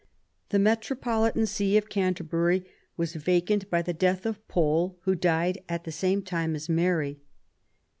The Metropolitan See of Canterbury was vacant by the death of Pole, who died at the same time as Mary.